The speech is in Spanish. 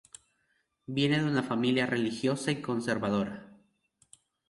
Viene de una familia religiosa y conservadora.